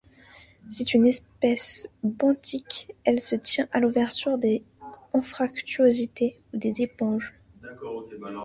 C'est une espèce benthique, elle se tient à l’ouverture des anfractuosités ou des éponges.